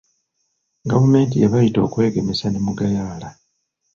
Gavumenti yabayita okwegemesa ne mugayaala.